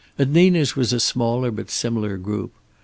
At Nina's was a smaller but similar group.